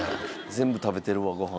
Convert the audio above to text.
全部食べてるわご飯。